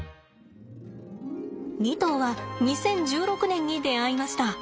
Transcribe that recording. ２頭は２０１６年に出会いました。